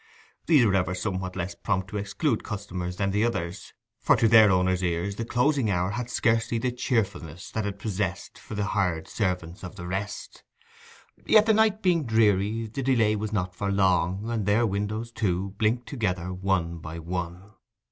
These were ever somewhat less prompt to exclude customers than the others: for their owners' ears the closing hour had scarcely the cheerfulness that it possessed for the hired servants of the rest. Yet the night being dreary the delay was not for long, and their windows, too, blinked together one by one.